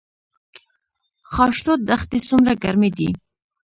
خاشرود دښتې څومره ګرمې دي؟